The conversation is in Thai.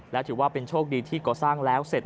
และถือว่าเป็นโชคดีที่ก่อสร้างแล้วเสร็จ